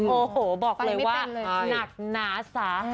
โอ้โหบอกเลยว่าหนักหนาสาหัส